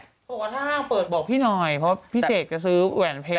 บอกว่าถ้าห้างเปิดบอกพี่หน่อยเพราะพี่เสกแกซื้อแหวนเพชร